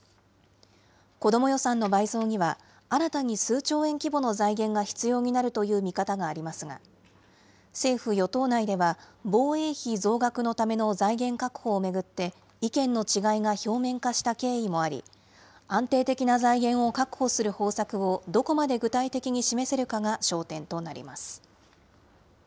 子ども予算の倍増には、新たに数兆円規模の財源が必要になるという見方がありますが、政府・与党内では防衛費増額のための財源確保を巡って、意見の違いが表面化した経緯もあり、安定的な財源を確保する方策をどこまで具体的に示せるかが焦点となります。